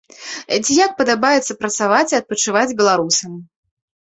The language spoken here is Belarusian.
Ці як падабаецца працаваць і адпачываць беларусам.